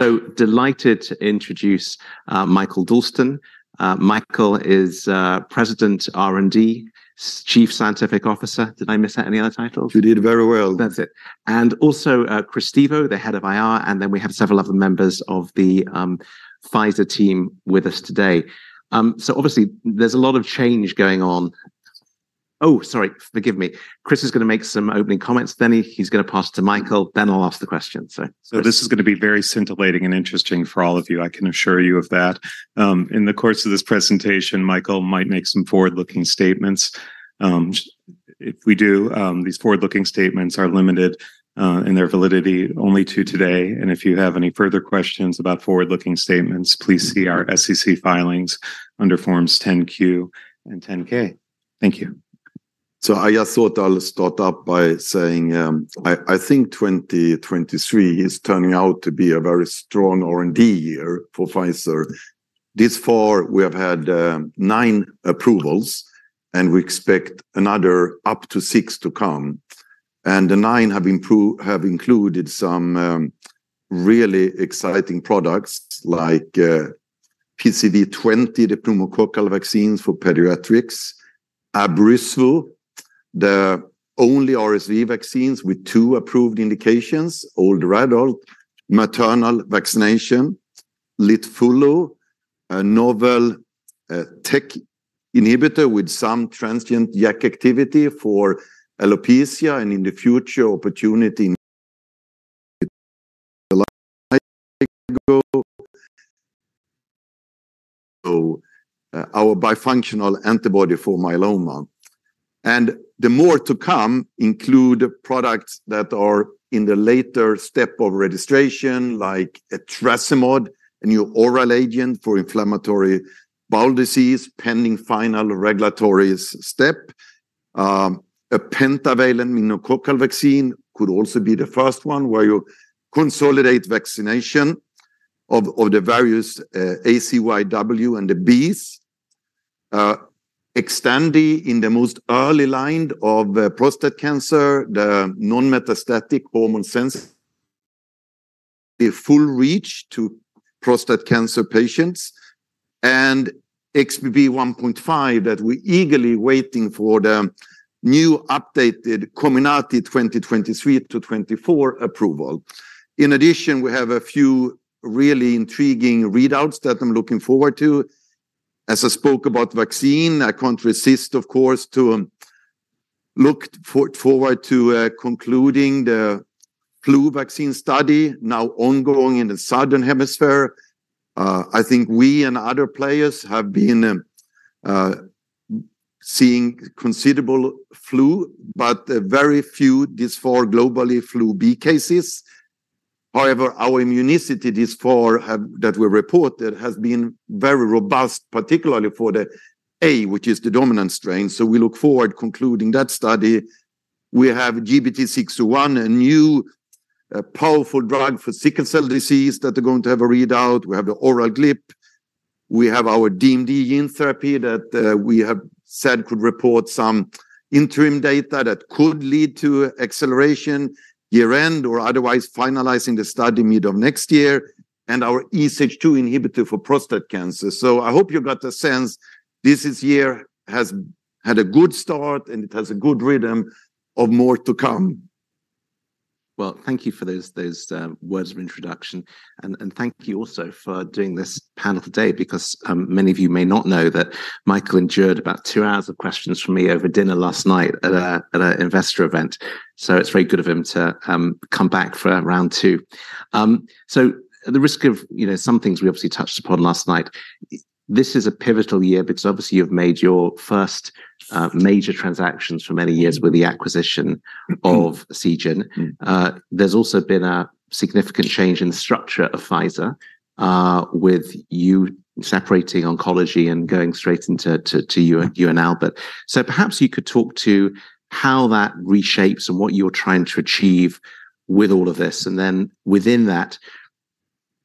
So delighted to introduce, Mikael Dolsten. Mikael is President, R&D, Chief Scientific Officer. Did I miss out any other titles? You did very well. That's it. And also, Chris Stevo, the Head of IR, and then we have several other members of the Pfizer team with us today. So obviously, there's a lot of change going on. Oh, sorry, forgive me. Chris is gonna make some opening comments. Then he, he's gonna pass to Mikael, then I'll ask the questions, so- So this is gonna be very scintillating and interesting for all of you, I can assure you of that. In the course of this presentation, Mikael might make some forward-looking statements. If we do, these forward-looking statements are limited in their validity only to today, and if you have any further questions about forward-looking statements, please see our SEC filings under Forms 10-Q and 10-K. Thank you. I just thought I'll start up by saying I think 2023 is turning out to be a very strong R&D year for Pfizer. This far, we have had nine approvals, and we expect another up to six to come, and the nine have included some really exciting products like PCV20, the pneumococcal vaccines for pediatrics; Abrysvo, the only RSV vaccines with two approved indications, old to adult, maternal vaccination; Litfulo, a novel TEC inhibitor with some transient JAK activity for alopecia, and in the future, opportunity our bifunctional antibody for myeloma. The more to come include products that are in the later step of registration, like etrasimod, a new oral agent for inflammatory bowel disease, pending final regulatory step. A pentavalent meningococcal vaccine could also be the first one where you consolidate vaccination of the various ACWY and the Bs. Xtandi, in the most early line of prostate cancer, the non-metastatic hormone-sensible, the full reach to prostate cancer patients, and XBB 1.5, that we're eagerly waiting for the new updated Comirnaty 2023-2024 approval. In addition, we have a few really intriguing readouts that I'm looking forward to. As I spoke about vaccine, I can't resist, of course, to look forward to concluding the flu vaccine study now ongoing in the Southern Hemisphere. I think we and other players have been seeing considerable flu, but very few this far globally flu B cases. However, our immunity this far have, that we reported, has been very robust, particularly for the A, which is the dominant strain, so we look forward to concluding that study. We have GBT601, a new, powerful drug for sickle cell disease that are going to have a readout. We have the oral GLP. We have our DMD gene therapy that, we have said could report some interim data that could lead to acceleration year-end, or otherwise finalizing the study mid of next year, and our EZH2 inhibitor for prostate cancer. So I hope you got the sense this is year has had a good start, and it has a good rhythm of more to come. Well, thank you for those words of introduction, and thank you also for doing this panel today, because many of you may not know that Mikael endured about two hours of questions from me over dinner last night at an investor event. So it's very good of him to come back for round two. So at the risk of, you know, some things we obviously touched upon last night, this is a pivotal year, because obviously you've made your first major transactions for many years with the acquisition of Seagen. There's also been a significant change in the structure of Pfizer, with you separating oncology and going straight into you and Albert. So perhaps you could talk to how that reshapes and what you're trying to achieve with all of this, and then within that,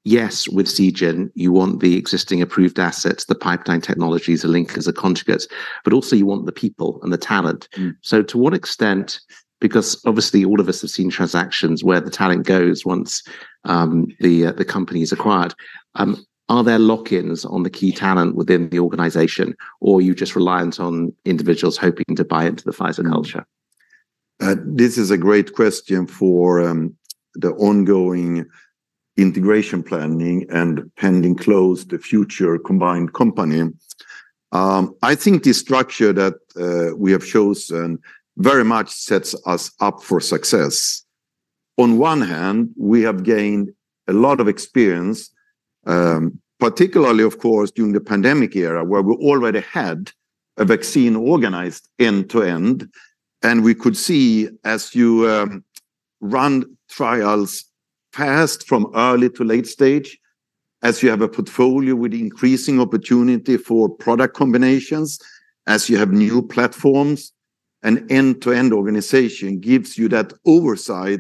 yes, with Seagen, you want the existing approved assets, the pipeline technologies, the linkers, the conjugates, but also you want the people and the talent. So to what extent, because obviously all of us have seen transactions where the talent goes once the company is acquired, are there lock-ins on the key talent within the organization, or are you just reliant on individuals hoping to buy into the Pfizer culture? This is a great question for the ongoing integration planning and pending close the future combined company. I think the structure that we have chosen very much sets us up for success. On one hand, we have gained a lot of experience, particularly of course, during the pandemic era, where we already had a vaccine organized end to end, and we could see as you run trials fast from early to late stage, as you have a portfolio with increasing opportunity for product combinations, as you have new platforms, an end-to-end organization gives you that oversight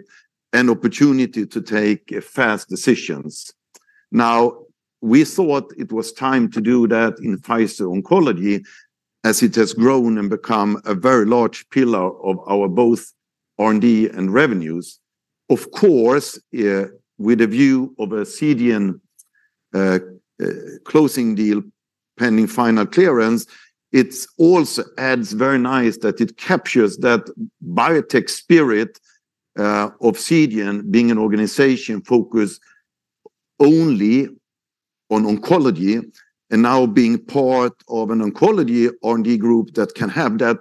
and opportunity to take fast decisions. We thought it was time to do that in Pfizer Oncology, as it has grown and become a very large pillar of our both R&D and revenues. Of course, with a view to the Seagen closing deal, pending final clearance, it also adds very nicely that it captures that biotech spirit of Seagen being an organization focused only on oncology, and now being part of an oncology R&D group that can have that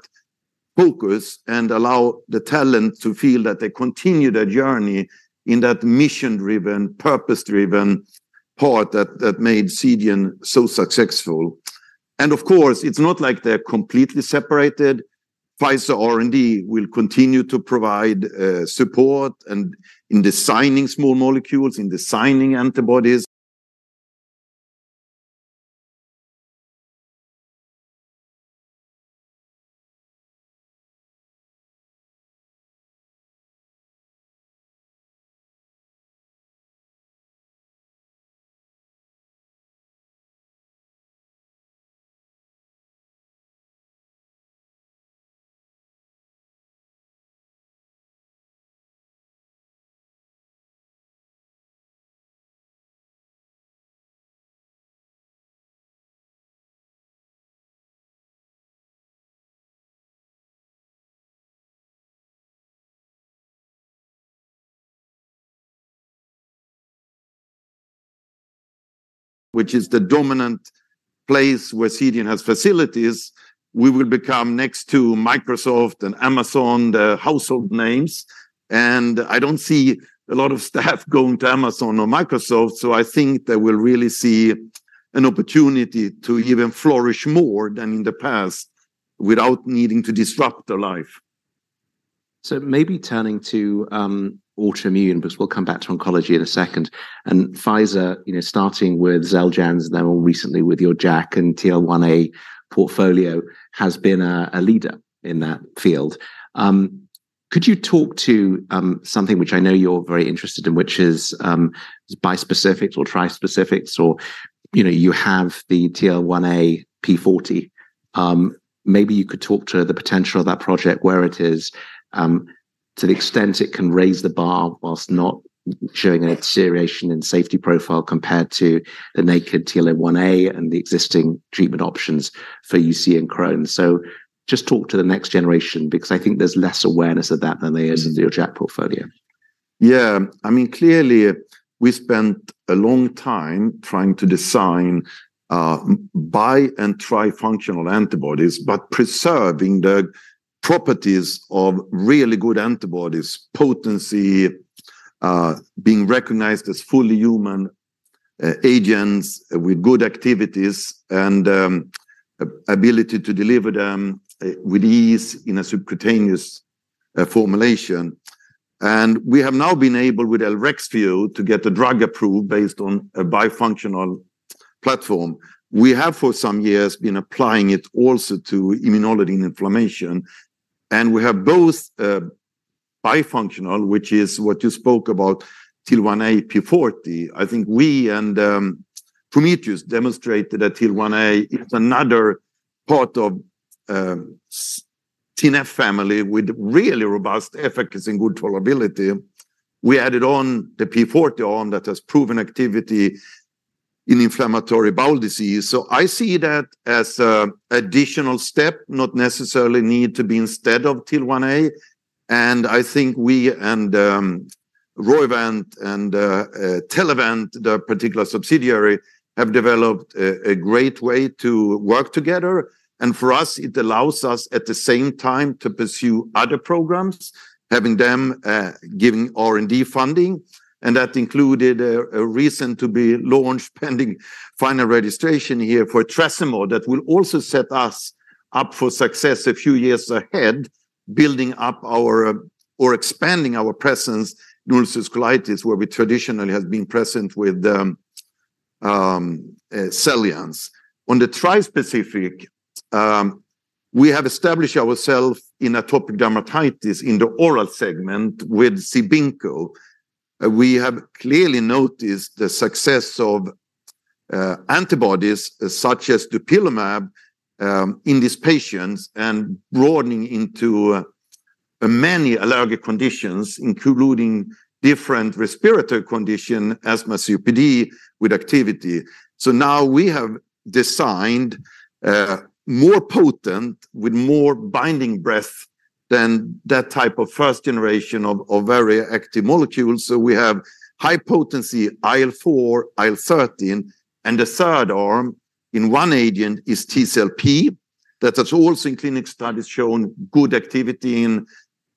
focus and allow the talent to feel that they continue their journey in that mission-driven, purpose-driven part that made Seagen so successful. And of course, it's not like they're completely separated. Pfizer R&D will continue to provide support and in designing small molecules, in designing antibodies, which is the dominant place where Seagen has facilities, we will become next to Microsoft and Amazon, the household names, and I don't see a lot of staff going to Amazon or Microsoft, so I think they will really see an opportunity to even flourish more than in the past without needing to disrupt their life. So maybe turning to autoimmune, but we'll come back to oncology in a second. And Pfizer, you know, starting with Xeljanz, now more recently with your JAK and TL1A portfolio, has been a leader in that field. Could you talk to something which I know you're very interested in, which is bispecific or trispecifics or, you know, you have the TL1A P40. Maybe you could talk to the potential of that project, where it is, to the extent it can raise the bar while not showing any deterioration in safety profile compared to the naked TL1A and the existing treatment options for UC and Crohn's. So just talk to the next generation, because I think there's less awareness of that than there is of your JAK portfolio. Yeah. I mean, clearly, we spent a long time trying to design bi- and trifunctional antibodies, but preserving the properties of really good antibodies, potency, being recognized as fully human agents with good activities and ability to deliver them with ease in a subcutaneous formulation. And we have now been able, with Elrexfio, to get the drug approved based on a bifunctional platform. We have, for some years, been applying it also to immunology and inflammation, and we have both bifunctional, which is what you spoke about, TL1A P40. I think we and Prometheus demonstrated that TL1A is another part of TNF family with really robust efficacy and good tolerability. We added on the P40 arm that has proven activity in inflammatory bowel disease. So I see that as an additional step, not necessarily need to be instead of TL1A, and I think we and Roivant and Telavant, the particular subsidiary, have developed a great way to work together. For us, it allows us, at the same time, to pursue other programs, having them giving R&D funding, and that included a recent-to-be-launched, pending final registration here for etrasimod. That will also set us up for success a few years ahead, building up our, or expanding our presence in neurodermatitis, where we traditionally have been present with Xeljanz. On the trispecific, we have established ourselves in atopic dermatitis in the oral segment with Cibinqo. We have clearly noticed the success of antibodies, such as Dupilumab, in these patients and broadening into many allergic conditions, including different respiratory condition, asthma, COPD, with activity. So now we have designed, more potent, with more binding breadth than that type of first generation of, of very active molecules. So we have high-potency IL-4, IL-13, and the third arm in one agent is TSLP. That has also, in clinic studies, shown good activity in,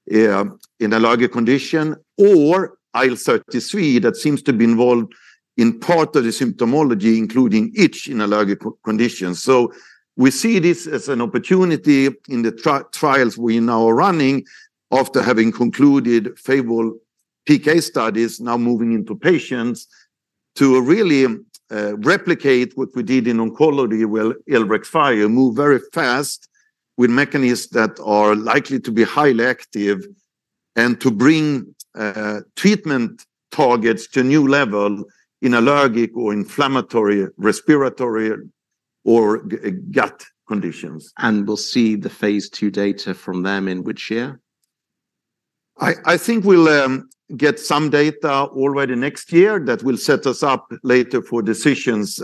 in allergic condition, or IL-33, that seems to be involved in part of the symptomology, including itch in allergic conditions. So we see this as an opportunity in the tri- trials we're now running, after having concluded favorable PK studies, now moving into patients, to really, replicate what we did in oncology with Elrexfio, move very fast with mechanisms that are likely to be highly active-... and to bring, treatment targets to a new level in allergic or inflammatory, respiratory, or g- gut conditions. We'll see the Phase II data from them in which year? I think we'll get some data already next year that will set us up later for decisions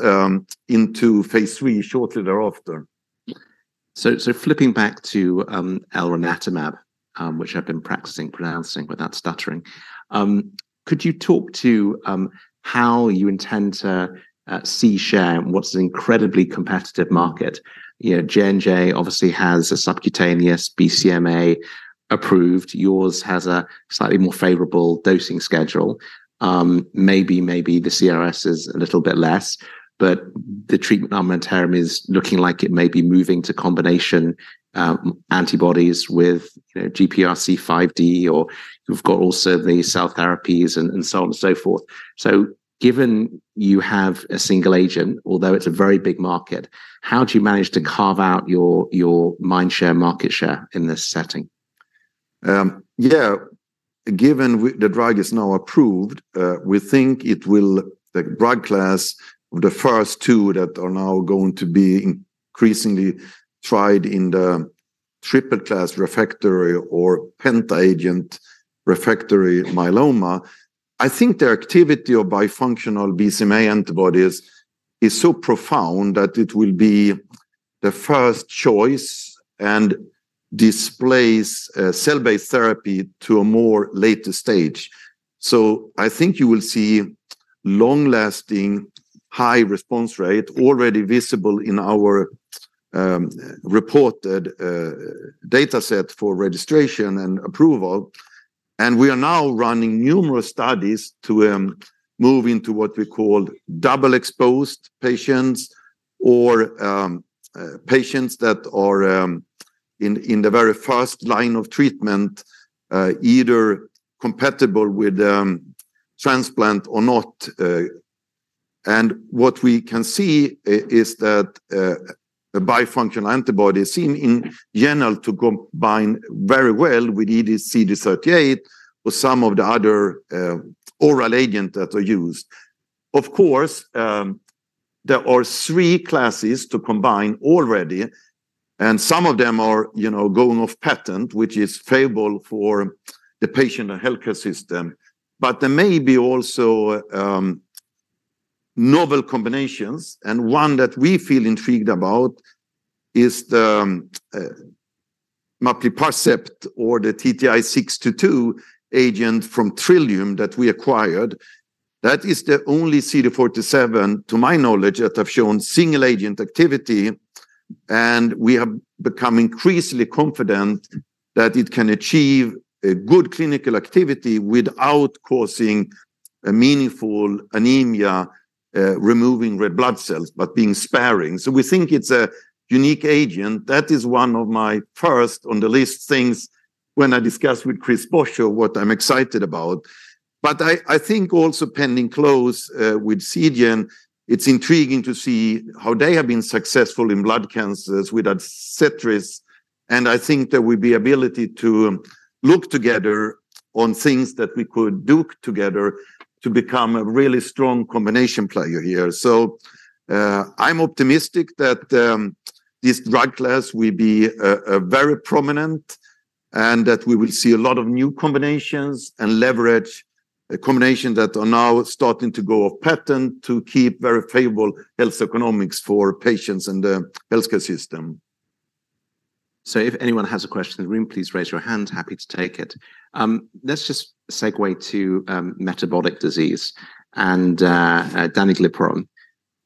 into phase III shortly thereafter. Flipping back to Elranatamab, which I've been practicing pronouncing without stuttering. Could you talk to how you intend to see share what's an incredibly competitive market? You know, J&J obviously has a subcutaneous BCMA approved. Yours has a slightly more favorable dosing schedule. Maybe the CRS is a little bit less, but the treatment arm interim is looking like it may be moving to combination antibodies with, you know, GPRC5D, or you've got also the cell therapies and so on and so forth. Given you have a single agent, although it's a very big market, how do you manage to carve out your mind share, market share in this setting? Yeah. Given the drug is now approved, we think it will, the drug class, the first two that are now going to be increasingly tried in the triple-class refractory or penta-agent refractory myeloma. I think the activity of bifunctional BCMA antibodies is so profound that it will be the first choice and displace cell-based therapy to a more later stage. So I think you will see long-lasting, high response rate already visible in our reported data set for registration and approval, and we are now running numerous studies to move into what we call double-exposed patients or patients that are in the very first line of treatment, either compatible with transplant or not. And what we can see is that a bifunctional antibody seem in general to combine very well with either CD38 or some of the other oral agent that are used. Of course, there are three classes to combine already, and some of them are, you know, going off patent, which is favorable for the patient and healthcare system. But there may be also novel combinations, and one that we feel intrigued about is the Maplirpacept or the TTI-622 agent from Trillium that we acquired. That is the only CD47, to my knowledge, that have shown single-agent activity, and we have become increasingly confident that it can achieve a good clinical activity without causing a meaningful anemia removing red blood cells, but being sparing. So we think it's a unique agent. That is one of my first on the list things when I discuss with Chris Boshoff what I'm excited about. But I, I think also pending close with Seagen, it's intriguing to see how they have been successful in blood cancers with Adcetris, and I think there will be ability to look together on things that we could do together to become a really strong combination player here. So, I'm optimistic that this drug class will be very prominent and that we will see a lot of new combinations and leverage a combination that are now starting to go off patent to keep very favorable health economics for patients in the healthcare system. So if anyone has a question in the room, please raise your hand. Happy to take it. Let's just segue to, metabolic disease and, Danuglipron.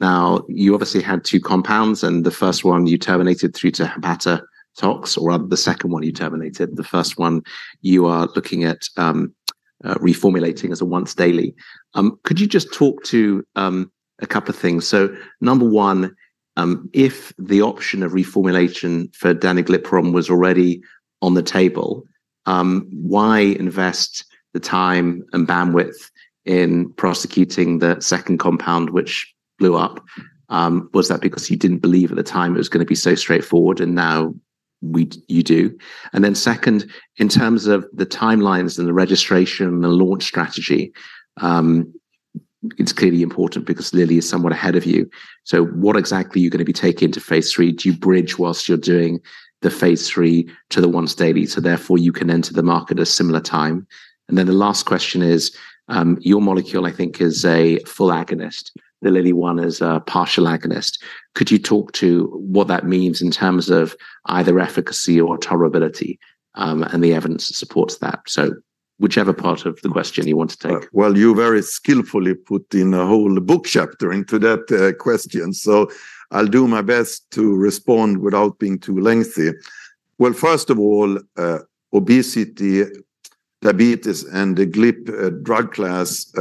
Now, you obviously had two compounds, and the first one you terminated through to hepatotox, or rather the second one you terminated. The first one you are looking at, reformulating as a once daily. Could you just talk to, a couple of things? So number one, if the option of reformulation for Danuglipron was already on the table, why invest the time and bandwidth in prosecuting the second compound, which blew up? Was that because you didn't believe at the time it was gonna be so straightforward, and now you do? And then second, in terms of the timelines and the registration and the launch strategy, it's clearly important because Lilly is somewhat ahead of you. So what exactly are you gonna be taking to phase III? Do you bridge while you're doing the phase III to the once daily, so therefore, you can enter the market a similar time? And then the last question is, your molecule, I think, is a full agonist. The Lilly one is a partial agonist. Could you talk to what that means in terms of either efficacy or tolerability, and the evidence that supports that? So whichever part of the question you want to take. Well, you very skillfully put in a whole book chapter into that question, so I'll do my best to respond without being too lengthy. Well, first of all, obesity, diabetes, and the GLP drug class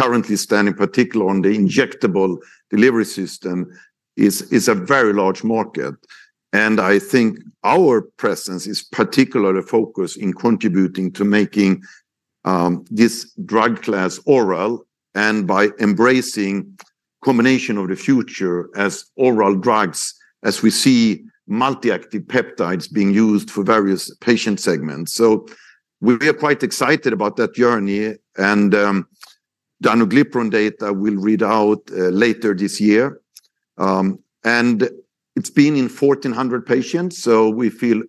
currently stands in particular on the injectable delivery system, which is a very large market. And I think our presence is particularly focused in contributing to making this drug class oral and by embracing combination of the future as oral drugs, as we see multi-active peptides being used for various patient segments. So we are quite excited about that journey, and danuglipron data will read out later this year. And it's been in 1,400 patients, so we feel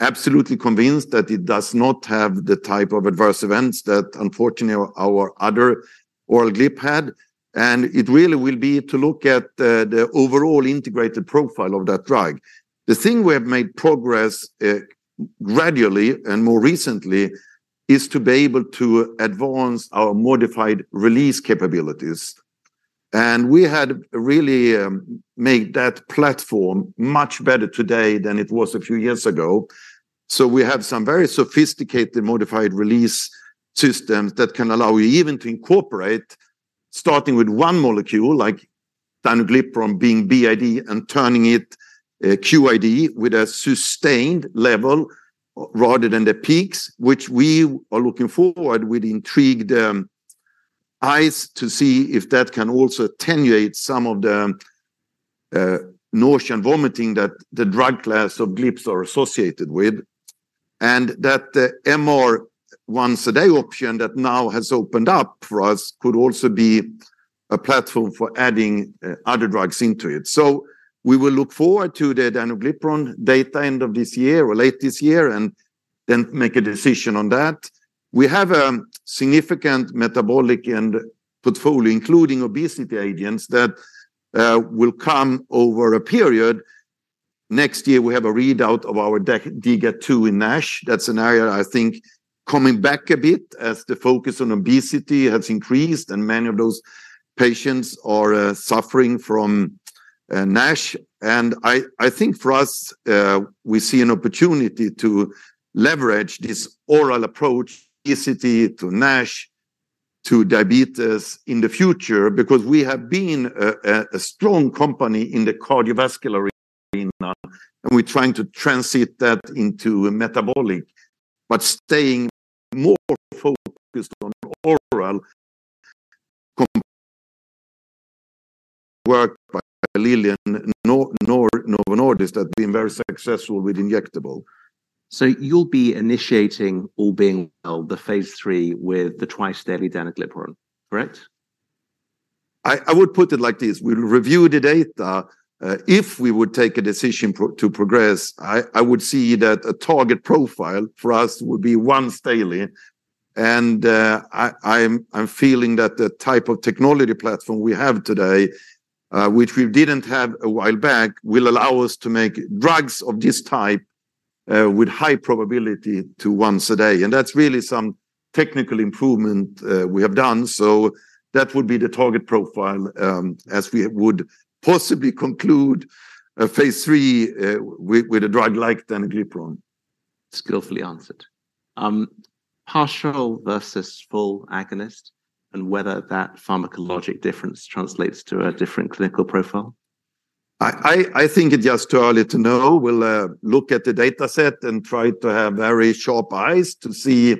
absolutely convinced that it does not have the type of adverse events that, unfortunately, our other oral GLP had. And it really will be to look at the overall integrated profile of that drug. The thing we have made progress gradually and more recently, is to be able to advance our modified release capabilities. And we had really made that platform much better today than it was a few years ago. So we have some very sophisticated modified release systems that can allow you even to incorporate, starting with one molecule, like Danuglipron being BID, and turning it QID, with a sustained level rather than the peaks, which we are looking forward with intrigued eyes to see if that can also attenuate some of the nausea and vomiting that the drug class of GLPs are associated with. And that the MR once-a-day option that now has opened up for us, could also be a platform for adding other drugs into it. So we will look forward to the Danuglipron data end of this year or late this year, and then make a decision on that. We have a significant metabolic portfolio, including obesity agents, that will come over a period. Next year, we have a readout of our DGAT2 in NASH. That's an area, I think, coming back a bit as the focus on obesity has increased, and many of those patients are suffering from NASH. And I think for us, we see an opportunity to leverage this oral approach, obesity to NASH, to diabetes in the future, because we have been a strong company in the cardiovascular arena, and we're trying to translate that into metabolic, but staying more focused on oral companies like Lilly, Novo Nordisk, that have been very successful with injectable. So you'll be initiating, all being well, the phase III with the twice-daily Danuglipron, correct? I would put it like this: we'll review the data. If we would take a decision to progress, I would see that a target profile for us would be once daily. And, I'm feeling that the type of technology platform we have today, which we didn't have a while back, will allow us to make drugs of this type, with high probability to once a day. And that's really some technical improvement we have done. So that would be the target profile, as we would possibly conclude, phase III, with a drug like Danuglipron. Skillfully answered. Partial versus full agonist, and whether that pharmacologic difference translates to a different clinical profile? I think it's just too early to know. We'll look at the data set and try to have very sharp eyes to see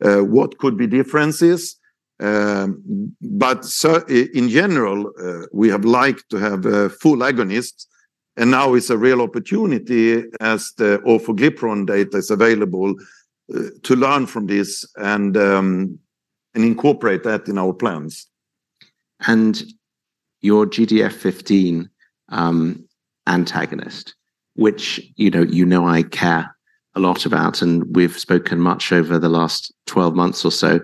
what could be differences. But so in general, we have liked to have full agonists, and now it's a real opportunity as the Orforglipron data is available to learn from this and incorporate that in our plans. Your GDF-15 antagonist, which, you know, you know I care a lot about, and we've spoken much over the last 12 months or so.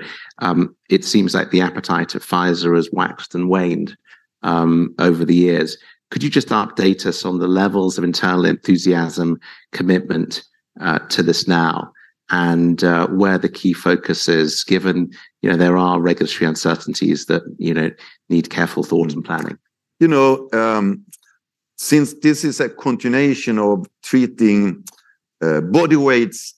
It seems like the appetite of Pfizer has waxed and waned over the years. Could you just update us on the levels of internal enthusiasm, commitment to this now, and where the key focus is given, you know, there are regulatory uncertainties that, you know, need careful thought and planning? You know, since this is a continuation of treating body weights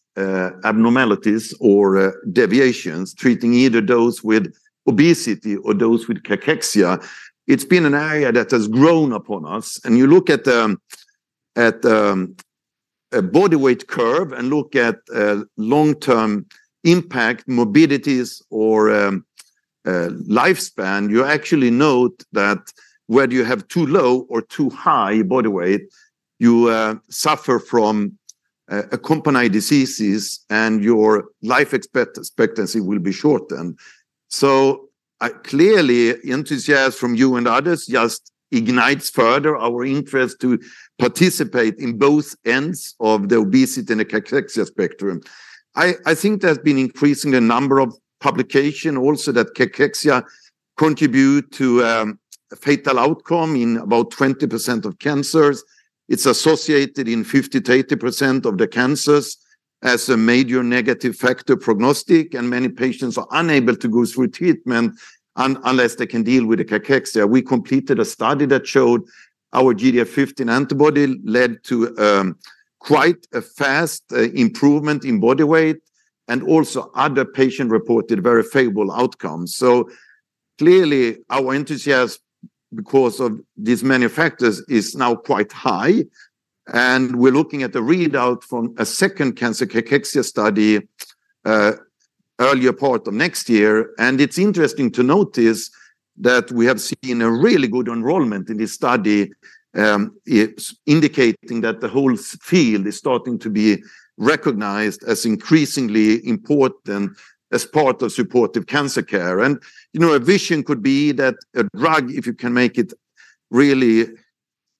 abnormalities or deviations, treating either those with obesity or those with cachexia, it's been an area that has grown upon us. And you look at the body weight curve and look at long-term impact, mobilities, or lifespan, you actually note that whether you have too low or too high body weight, you suffer from accompany diseases, and your life expectancy will be shortened. So, clearly, enthusiasm from you and others just ignites further our interest to participate in both ends of the obesity and the cachexia spectrum. I think there's been increasing the number of publication also that cachexia contribute to a fatal outcome in about 20% of cancers. It's associated in 50%-80% of the cancers as a major negative factor prognostic, and many patients are unable to go through treatment unless they can deal with the cachexia. We completed a study that showed our GDF-15 antibody led to quite a fast improvement in body weight, and also other patient reported very favorable outcomes. So clearly, our enthusiasm because of these many factors, is now quite high, and we're looking at the readout from a second cancer cachexia study earlier part of next year, and it's interesting to notice that we have seen a really good enrollment in this study, it's indicating that the whole field is starting to be recognized as increasingly important as part of supportive cancer care. You know, a vision could be that a drug, if you can make it really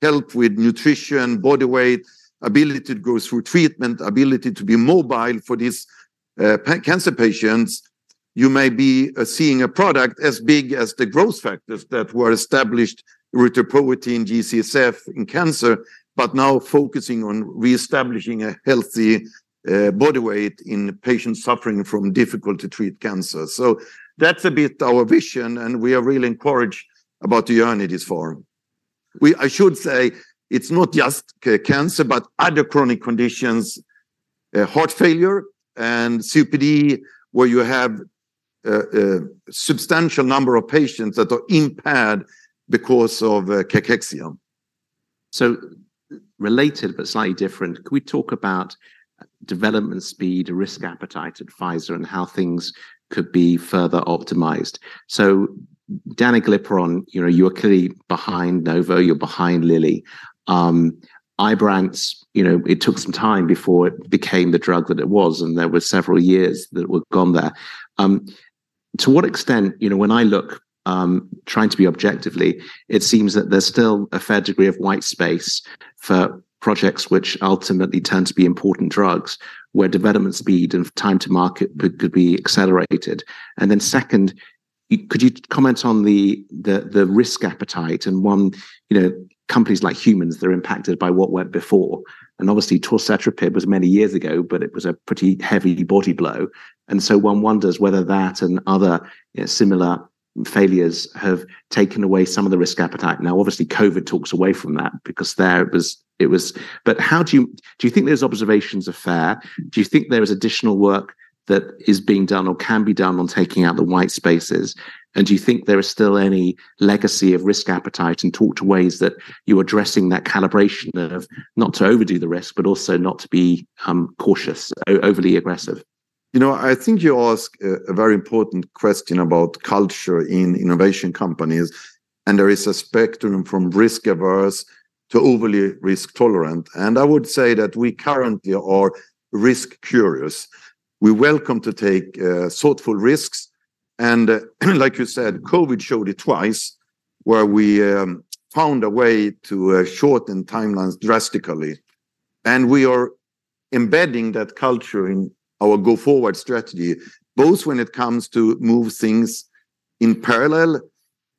help with nutrition, body weight, ability to go through treatment, ability to be mobile for these cancer patients, you may be seeing a product as big as the growth factors that were established with the erythropoietin and G-CSF in cancer, but now focusing on reestablishing a healthy body weight in patients suffering from difficult-to-treat cancer. So that's a bit our vision, and we are really encouraged about the journeys for. I should say, it's not just cancer, but other chronic conditions, heart failure and COPD, where you have a substantial number of patients that are impaired because of cachexia. Related but slightly different, could we talk about development speed, risk appetite at Pfizer, and how things could be further optimized? Danuglipron, you know, you're clearly behind Novo, you're behind Lilly. Ibrance, you know, it took some time before it became the drug that it was, and there were several years that were gone there. To what extent, You know, when I look, trying to be objective, it seems that there's still a fair degree of white space for projects which ultimately turn to be important drugs, where development speed and time to market could be accelerated. Second, could you comment on the risk appetite, and one, you know, companies like humans, they're impacted by what went before. Obviously, Torcetrapib was many years ago, but it was a pretty heavy body blow. One wonders whether that and other similar failures have taken away some of the risk appetite. Now, obviously, COVID talks away from that because there it was. But how do you think those observations are fair? Do you think there is additional work that is being done or can be done on taking out the white spaces? And do you think there is still any legacy of risk appetite and talk to ways that you are addressing that calibration of not to overdo the risk, but also not to be cautious or overly aggressive? You know, I think you ask a very important question about culture in innovation companies, and there is a spectrum from risk-averse to overly risk-tolerant, and I would say that we currently are risk-curious. We welcome to take thoughtful risks, and, like you said, COVID showed it twice, where we found a way to shorten timelines drastically. And we are embedding that culture in our go-forward strategy, both when it comes to move things in parallel,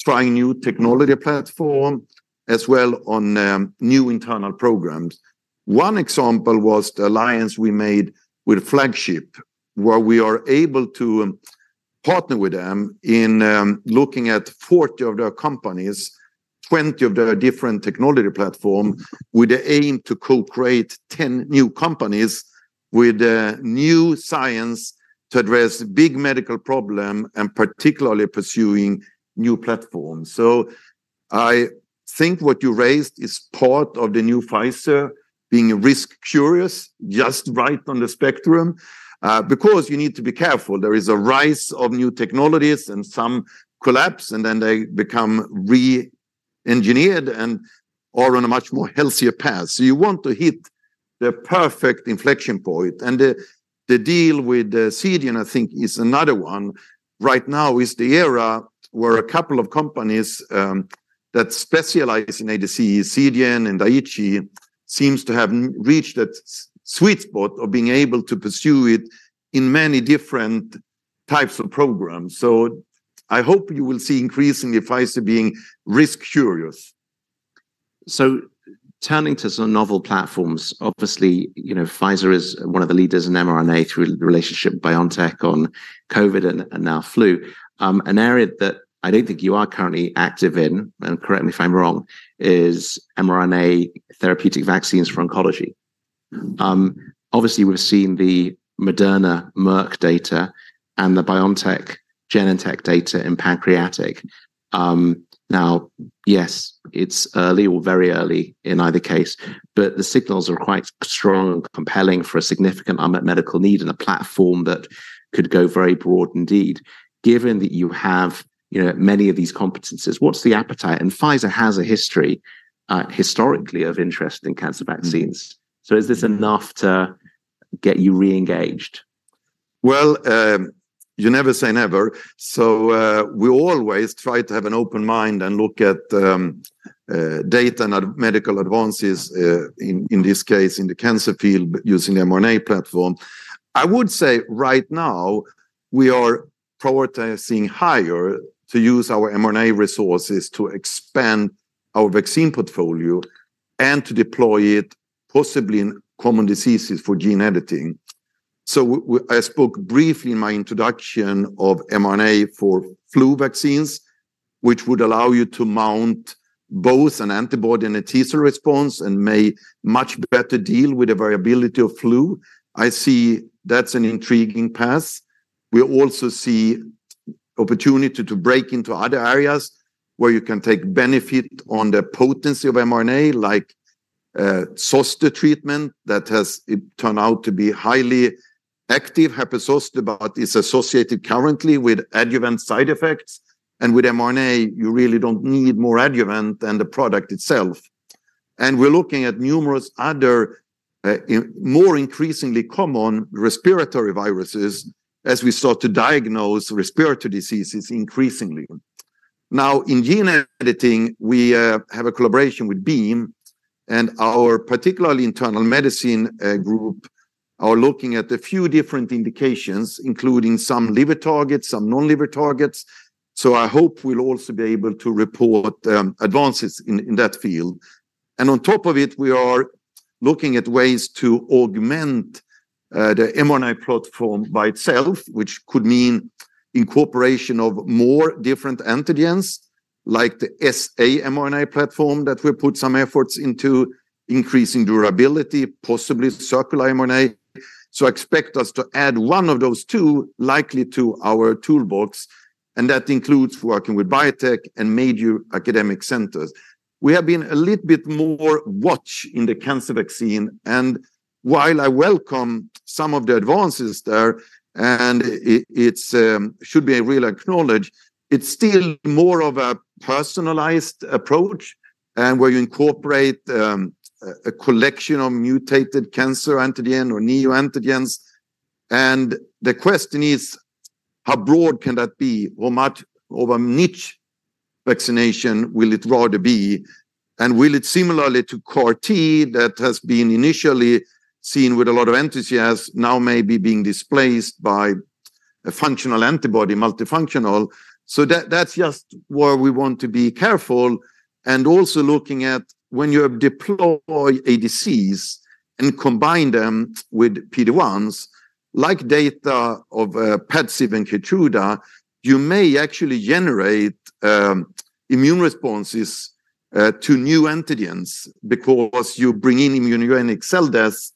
trying new technology platform, as well on new internal programs. One example was the alliance we made with Flagship, where we are able to partner with them in looking at 40 of their companies, 20 of their different technology platform, with the aim to co-create 10 new companies with new science to address big medical problem and particularly pursuing new platforms. So I think what you raised is part of the new Pfizer being risk-curious, just right on the spectrum, because you need to be careful. There is a rise of new technologies, and some collapse, and then they become re-engineered and are on a much more healthier path. So you want to hit the perfect inflection point, and the deal with Seagen, I think, is another one. Right now is the era where a couple of companies that specialize in ADC, Seagen and Daiichi, seems to have reached that sweet spot of being able to pursue it in many different types of programs. So I hope you will see increasingly Pfizer being risk-curious. So turning to some novel platforms, obviously, you know, Pfizer is one of the leaders in mRNA through the relationship BioNTech on COVID and, and now flu. An area that I don't think you are currently active in, and correct me if I'm wrong, is mRNA therapeutic vaccines for oncology. Obviously, we've seen the Moderna, Merck data and the BioNTech, Genentech data in pancreatic. Now, yes, it's early or very early in either case, but the signals are quite strong and compelling for a significant unmet medical need and a platform that could go very broad indeed. Given that you have, you know, many of these competencies, what's the appetite? And Pfizer has a history, historically of interest in cancer vaccines. So is this enough to get you re-engaged? Well, you never say never. So, we always try to have an open mind and look at data and at medical advances in this case, in the cancer field, but using the mRNA platform. I would say right now we are prioritizing higher to use our mRNA resources to expand our vaccine portfolio and to deploy it possibly in common diseases for gene editing. So I spoke briefly in my introduction of mRNA for flu vaccines, which would allow you to mount both an antibody and a T cell response and may much better deal with the variability of flu. I see that's an intriguing path. We also see opportunity to break into other areas where you can take benefit on the potency of mRNA, like SOST treatment that has it turned out to be highly active hepatitis C, but it's associated currently with adverse side effects, and with mRNA, you really don't need more adjuvant than the product itself. And we're looking at numerous other, in more increasingly common respiratory viruses as we start to diagnose respiratory diseases increasingly. Now, in gene editing, we have a collaboration with Beam, and our particularly internal medicine group are looking at a few different indications, including some liver targets, some non-liver targets. So I hope we'll also be able to report advances in that field. And on top of it, we are looking at ways to augment the mRNA platform by itself, which could mean incorporation of more different antigens, like the saRNA platform that we put some efforts into increasing durability, possibly circular mRNA. So expect us to add one of those two, likely to our toolbox, and that includes working with biotech and major academic centers. We have been a little bit more watchful in the cancer vaccine, and while I welcome some of the advances there, it should be a real acknowledgment. It's still more of a personalized approach, and where you incorporate a collection of mutated cancer antigens or neoantigens. And the question is, how broad can that be, or much of a niche vaccination will it rather be? And will it, similarly to CAR T, that has been initially seen with a lot of enthusiasm, now maybe being displaced by a functional antibody, multifunctional. So that's just where we want to be careful, and also looking at when you deploy ADCs and combine them with PD-1s, like data of PADCEV and Keytruda, you may actually generate immune responses to new antigens, because you bring in immune-mediated cell death,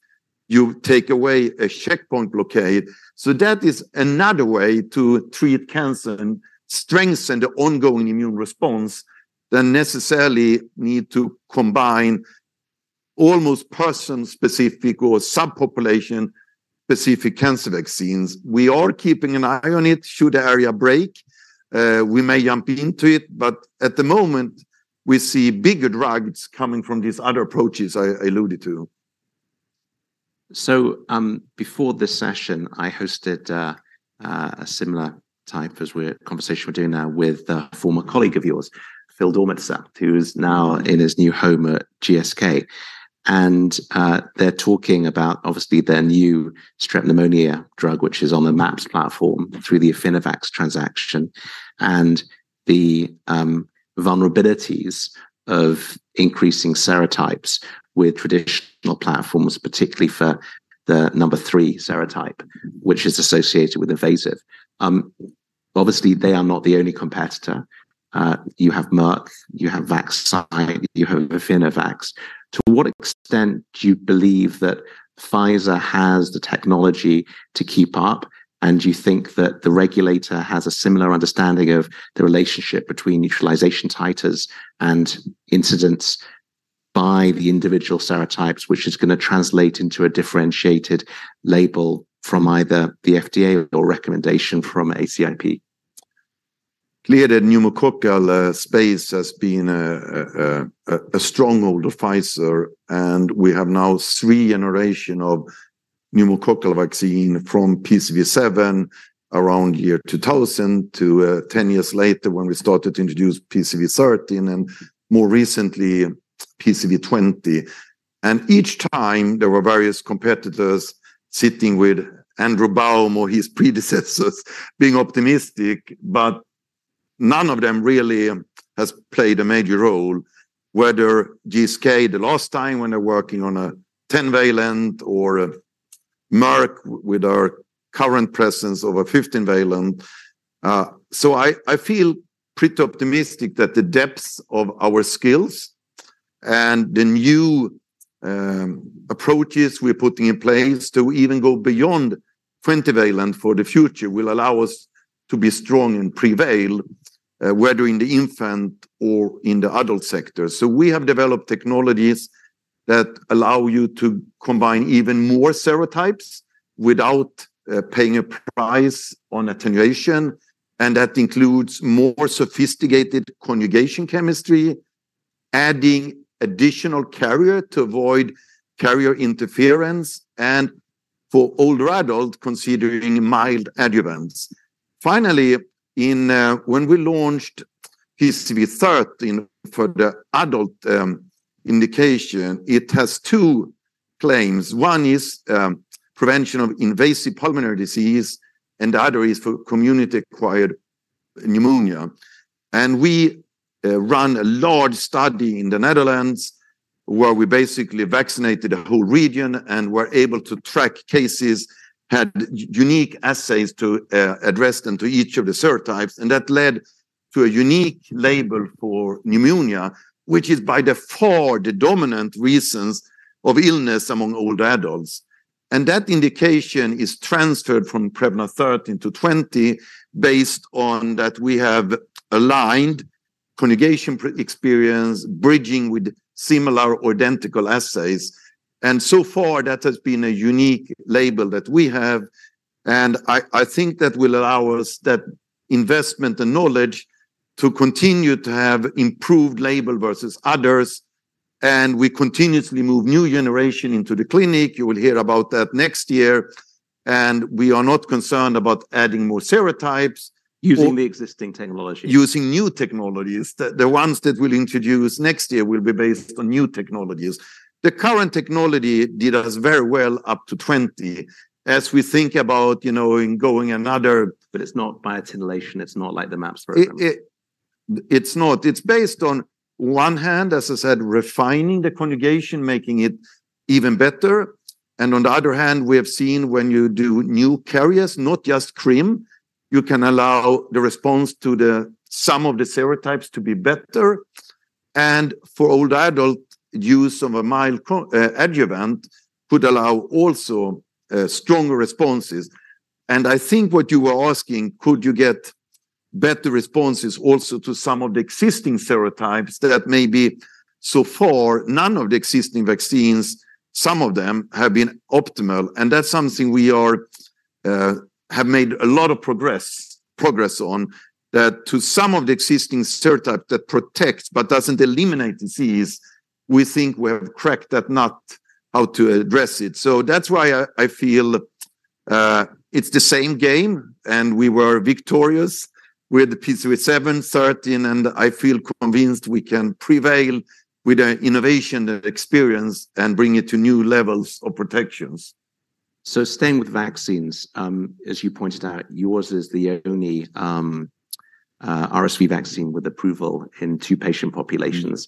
you take away a checkpoint blockade. So that is another way to treat cancer and strengthen the ongoing immune response than necessarily need to combine almost person-specific or subpopulation-specific cancer vaccines. We are keeping an eye on it. Should the area break, we may jump into it, but at the moment, we see bigger drugs coming from these other approaches I alluded to. So, before this session, I hosted a similar conversation we're doing now with a former colleague of yours, Phil Dormitzer, who is now in his new home at GSK. And, they're talking about, obviously, their new strep pneumonia drug, which is on the MAPS platform through the Affinivax transaction, and the vulnerabilities of increasing serotypes with traditional platforms, particularly for the 3 serotype, which is associated with invasive. Obviously, they are not the only competitor. You have Merck, you have Vaxcyte, you have Affinivax. To what extent do you believe that Pfizer has the technology to keep up, and do you think that the regulator has a similar understanding of the relationship between neutralization titers and incidents by the individual serotypes, which is gonna translate into a differentiated label from either the FDA or recommendation from ACIP? Clearly, the pneumococcal space has been a stronghold of Pfizer, and we have now three generation of pneumococcal vaccine, from PCV7 around year 2000 to ten years later, when we started to introduce PCV13, and more recently, PCV20. And each time, there were various competitors sitting with Andrew Baum or his predecessors being optimistic, but none of them really has played a major role, whether GSK, the last time when they're working on a 10-valent or Merck with our current presence of a 15-valent. So I feel pretty optimistic that the depths of our skills and the new approaches we're putting in place to even go beyond 20-valent for the future will allow us to be strong and prevail, whether in the infant or in the adult sector. So we have developed technologies that allow you to combine even more serotypes without paying a price on attenuation, and that includes more sophisticated conjugation chemistry, adding additional carrier to avoid carrier interference, and for older adults, considering mild adjuvants. Finally, when we launched PCV13 for the adult indication, it has two claims. One is prevention of invasive pulmonary disease, and the other is for community-acquired pneumonia. And we run a large study in the Netherlands, where we basically vaccinated a whole region and were able to track cases, had unique assays to address them to each of the serotypes, and that led to a unique label for pneumonia, which is, by far, the dominant reasons of illness among older adults. That indication is transferred from Prevnar 13 to 20, based on that we have aligned conjugation process experience, bridging with similar or identical assays, and so far, that has been a unique label that we have, and I, I think that will allow us that investment and knowledge to continue to have improved label versus others, and we continuously move new generation into the clinic. You will hear about that next year, and we are not concerned about adding more serotypes- Using the existing technology. Using new technologies. The ones that we'll introduce next year will be based on new technologies. The current technology did us very well up to 20. As we think about, you know, in going another- But it's not by titration, it's not like the MAPS program. It's not. It's based on one hand, as I said, refining the conjugation, making it even better, and on the other hand, we have seen when you do new carriers, not just CRM, you can allow the response to some of the serotypes to be better, and for older adult, use of a mild adjuvant could allow also stronger responses. And I think what you were asking, could you get better responses also to some of the existing serotypes that may be, so far, none of the existing vaccines, some of them have been optimal, and that's something we are, have made a lot of progress on, that to some of the existing serotype that protects but doesn't eliminate disease, we think we have cracked that nut, how to address it. So that's why I, I feel, it's the same game, and we were victorious with PCV7, PCV13, and I feel convinced we can prevail with our innovation and experience and bring it to new levels of protections. So staying with vaccines, as you pointed out, yours is the only RSV vaccine with approval in two patient populations.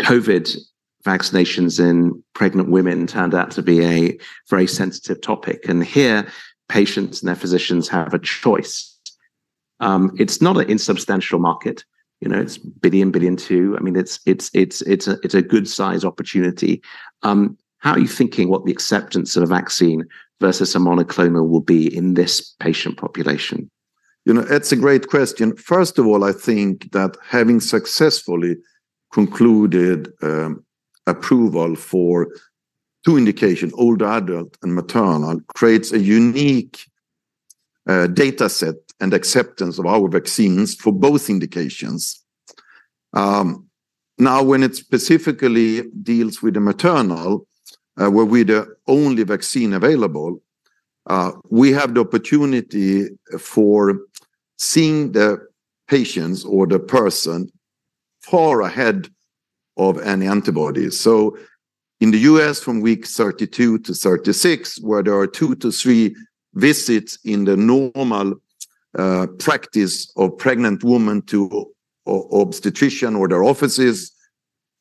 COVID vaccinations in pregnant women turned out to be a very sensitive topic, and here, patients and their physicians have a choice. It's not an insubstantial market, you know, it's $1 billion-$2 billion. I mean, it's, it's, it's a, it's a good size opportunity. How are you thinking what the acceptance of the vaccine versus a monoclonal will be in this patient population? You know, it's a great question. First of all, I think that having successfully concluded approval for two indications, older adult and maternal, creates a unique data set and acceptance of our vaccines for both indications. Now, when it specifically deals with the maternal, where we're the only vaccine available, we have the opportunity for seeing the patients or the person far ahead of any antibodies. So in the U.S., from week 32 to 36, where there are 2 to 3 visits in the normal practice of pregnant women to obstetrician or their offices.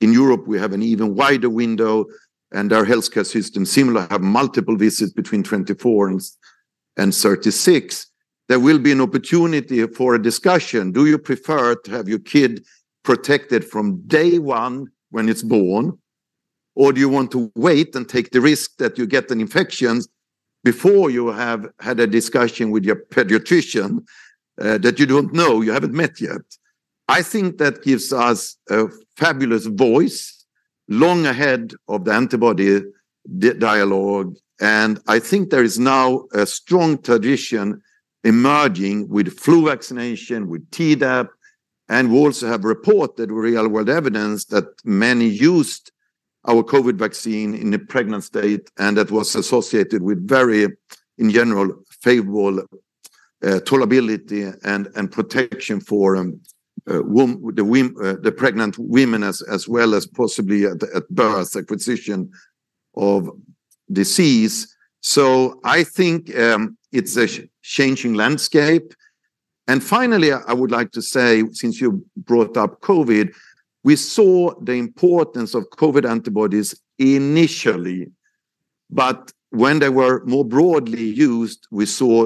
In Europe, we have an even wider window, and our healthcare system, similar, have multiple visits between 24 and 36. There will be an opportunity for a discussion. Do you prefer to have your kid protected from day one when it's born, or do you want to wait and take the risk that you get an infection before you have had a discussion with your pediatrician that you don't know, you haven't met yet? I think that gives us a fabulous voice, long ahead of the antibody delivery dialogue, and I think there is now a strong tradition emerging with flu vaccination, with Tdap, and we also have reported real-world evidence that many used our COVID vaccine in a pregnant state, and that was associated with very, in general, favorable tolerability and protection for the pregnant women as well as possibly at birth, acquisition of disease. So I think, it's a changing landscape, and finally, I would like to say, since you brought up COVID, we saw the importance of COVID antibodies initially, but when they were more broadly used, we saw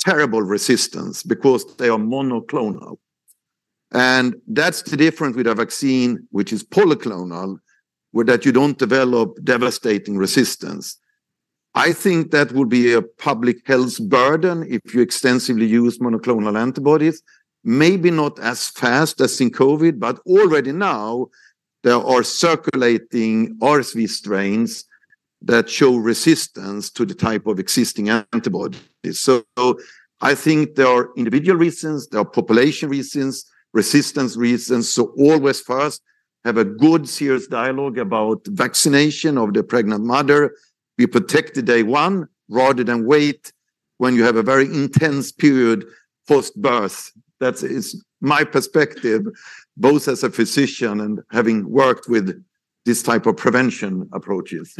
terrible resistance because they are monoclonal. And that's the difference with a vaccine, which is polyclonal, where that you don't develop devastating resistance. I think that would be a public health burden if you extensively use monoclonal antibodies, maybe not as fast as in COVID, but already now, there are circulating RSV strains that show resistance to the type of existing antibodies. So I think there are individual reasons, there are population reasons, resistance reasons, so always first, have a good, serious dialogue about vaccination of the pregnant mother. We protect the day one rather than wait, when you have a very intense period post-birth. That is my perspective, both as a physician and having worked with this type of prevention approaches.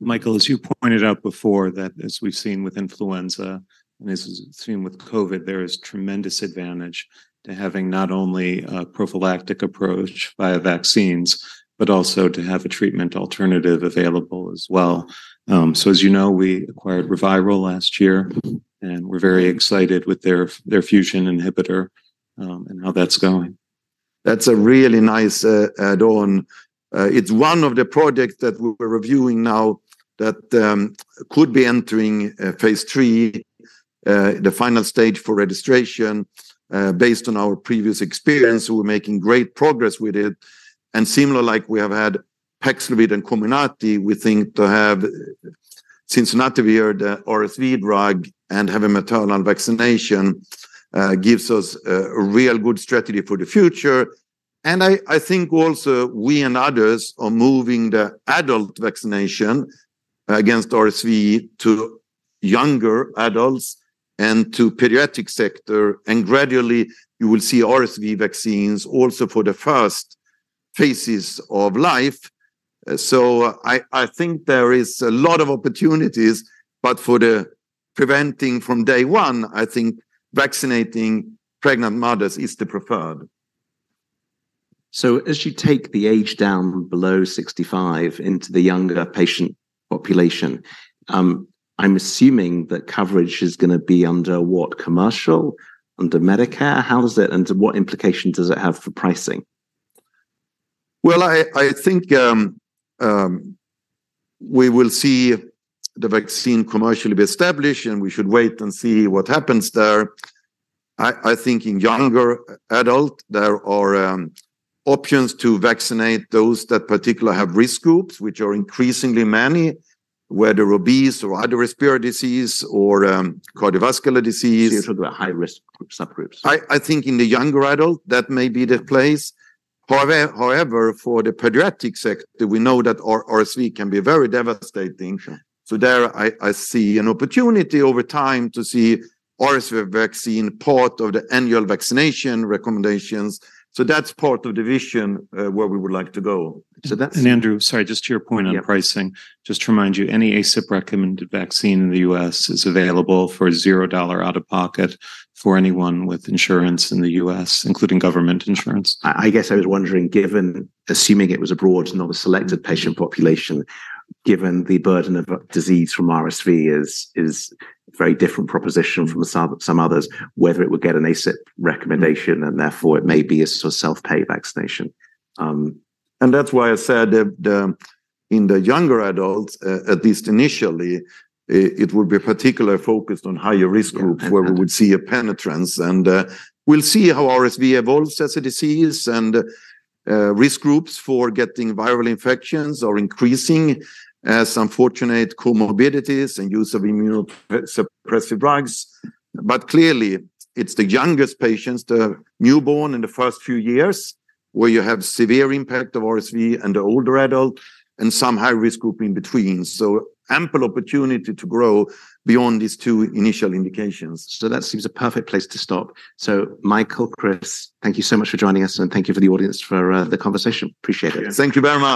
Michael, as you pointed out before, that as we've seen with influenza, and as we've seen with COVID, there is tremendous advantage to having not only a prophylactic approach via vaccines, but also to have a treatment alternative available as well. So as you know, we acquired ReViral last year, and we're very excited with their fusion inhibitor, and how that's going. That's a really nice, add-on. It's one of the projects that we're reviewing now that could be entering phase III, the final stage for registration. Based on our previous experience, we're making great progress with it, and similar like we have had Paxlovid and Comirnaty, we think to have Sisunatovir, the RSV drug, and have a maternal vaccination gives us a real good strategy for the future. And I, I think also we and others are moving the adult vaccination against RSV to younger adults and to pediatric sector, and gradually you will see RSV vaccines also for the first phases of life. So I, I think there is a lot of opportunities, but for the preventing from day one, I think vaccinating pregnant mothers is the preferred. As you take the age down below 65 into the younger patient population, I'm assuming that coverage is going to be under what commercial? Under Medicare? How is it, and what implication does it have for pricing? Well, I think we will see the vaccine commercially be established, and we should wait and see what happens there. I think in younger adult, there are options to vaccinate those that particular have risk groups, which are increasingly many, whether obese or other respiratory disease or cardiovascular disease. These are the high-risk group subgroups. I think in the younger adult, that may be the place. However, for the pediatric sector, we know that RSV can be very devastating. Sure. So there I see an opportunity over time to see RSV vaccine part of the annual vaccination recommendations. So that's part of the vision, where we would like to go. So that's- Andrew, sorry, just to your point on- Yeah pricing, just to remind you, any ACIP-recommended vaccine in the U.S. is available for $0 out-of-pocket for anyone with insurance in the U.S., including government insurance. I guess I was wondering, given - assuming it was a broad, not a selected patient population, given the burden of disease from RSV is a very different proposition from some others, whether it would get an ACIP recommendation, and therefore it may be a self-pay vaccination. That's why I said that, in the younger adults, at least initially, it would be particularly focused on higher risk groups- Yeah where we would see a penetrance, and, we'll see how RSV evolves as a disease, and, risk groups for getting viral infections are increasing as unfortunate comorbidities and use of immunosuppressive drugs. But clearly, it's the youngest patients, the newborn in the first few years, where you have severe impact of RSV, and the older adult, and some high-risk group in between. So ample opportunity to grow beyond these two initial indications. That seems a perfect place to stop. Michael, Chris, thank you so much for joining us, and thank you for the audience for the conversation. Appreciate it. Thank you very much.